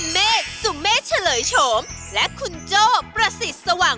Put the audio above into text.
แม่บ้านทารวย